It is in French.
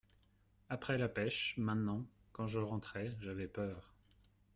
Après la pêche, maintenant, quand je rentrais, j'avais peur.